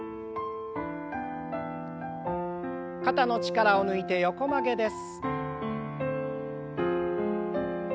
肩の力を抜いて横曲げです。